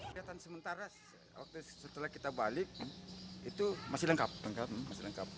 kelihatan sementara setelah kita balik itu masih lengkap